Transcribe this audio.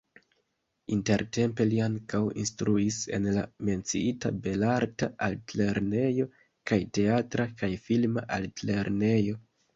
Intertempe li ankaŭ instruis en la menciita Belarta Altlernejo kaj Teatra kaj Filma Altlernejo.